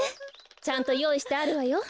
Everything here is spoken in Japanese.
ちゃんとよういしてあるわよ。